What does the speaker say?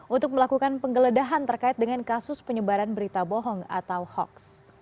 untuk melakukan penggeledahan terkait dengan kasus penyebaran berita bohong atau hoax